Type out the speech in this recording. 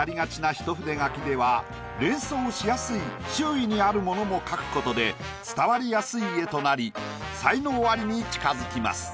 一筆書きでは連想しやすい周囲にあるモノも描くことで伝わりやすい絵となり才能アリに近づきます。